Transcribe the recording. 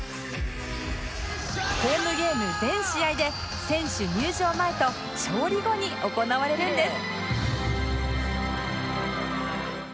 ホームゲーム全試合で選手入場前と勝利後に行われるんです